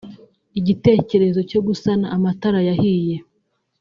Igitekerezo cyo gusana amatara yahiye